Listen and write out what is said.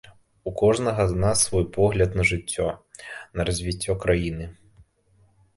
У кожнага з нас свой погляд на жыццё, на развіццё краіны.